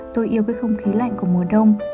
tôi yêu cái không khí lạnh của mùa đông